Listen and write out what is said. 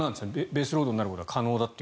ベースロードになることは可能だと。